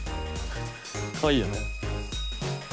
かわいいよね。